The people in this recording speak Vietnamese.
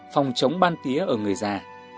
phòng chống ban tía ở người già